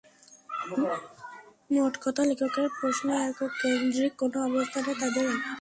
মোটকথা, লেখকের প্রশ্নে এককেন্দ্রিক কোনো অবস্থানে তাদের এখনো দেখা যাচ্ছে না।